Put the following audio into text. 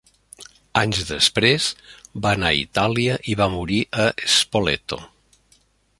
Anys després va anar a Itàlia i va morir a Spoleto.